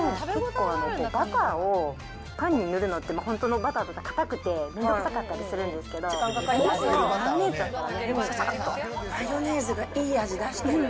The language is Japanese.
結構バターをパンに塗るのって、本当のバターだと、硬くてめんどくさかったりするんですけど、ママヨネーズがいい味出してる。